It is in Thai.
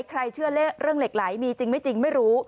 ใครเชื่อเรื่องเหล็กไหลมีจริงไม่จริงไม่รู้